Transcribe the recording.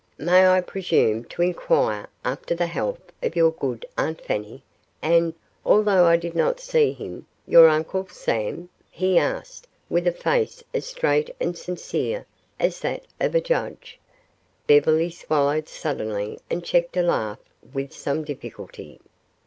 "May I presume to inquire after the health of your good Aunt Fanny and although I did not see him your Uncle Sam?" he asked, with a face as straight and sincere as that of a judge. Beverly swallowed suddenly and checked a laugh with some difficulty.